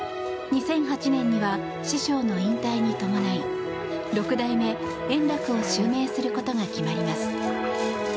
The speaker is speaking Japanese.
２００８年には師匠の引退に伴い六代目円楽を襲名することが決まります。